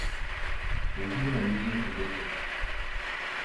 Leží na jižní obloze.